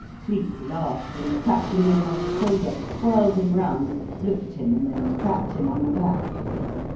Cleek laughed, and catching him by the shoulder whirled him round, looked at him, and then clapped him on the back.